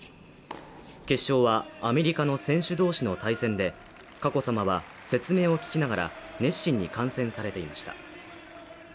決勝はアメリカの選手同士の対戦で佳子さまは説明を聞きながら熱心に観戦されていました。